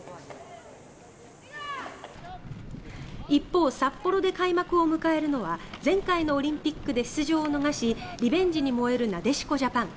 一方、札幌で開幕を迎えるのは前回のオリンピックで出場を逃しリベンジに燃えるなでしこジャパン。